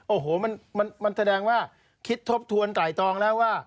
โอ้โหมันแสดงว่าคิดทบทวนไตรตองแล้วว่า